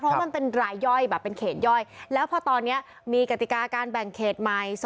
เพราะมันเป็นรายย่อยแบบเป็นเขตย่อยแล้วพอตอนนี้มีกติกาการแบ่งเขตใหม่